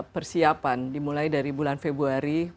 persiapan dimulai dari bulan februari